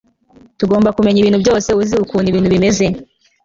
tugomba kumenya ibintu byose uzi uko ibintu bimeze